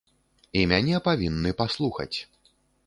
І мяне павінны паслухаць.